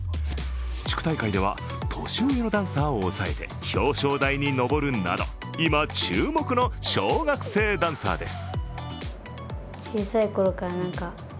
地区大会では年上にダンサーを抑えて表彰台に上るなど今、注目の小学生ダンサーです。